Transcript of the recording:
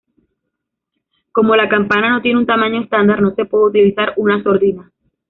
Como la campana no tiene un tamaño estándar, no se puede utilizar una sordina.